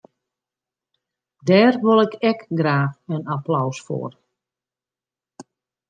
Dêr wol ik ek graach in applaus foar.